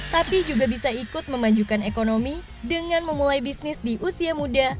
tapi juga bisa ikut memajukan ekonomi dengan memulai bisnis di usia muda